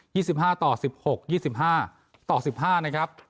ี่สิบห้าต่อสิบหกยี่สิบห้าต่อสิบห้านะครับ